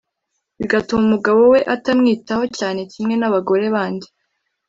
bigatuma umugabo we atamwitaho cyane kimwe n’abagore bandi